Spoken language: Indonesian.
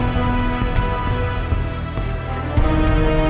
teka bak mau